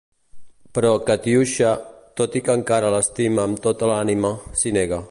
Però Katiuixa, tot i que encara l'estima amb tota l'ànima, s'hi nega.